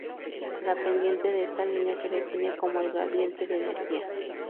La pendiente de esta línea se define como el "gradiente de energía".